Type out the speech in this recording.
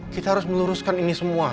kita harus meluruskan ini semua